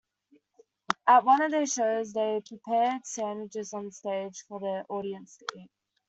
At one of their shows they prepared sandwiches onstage for the audience to eat.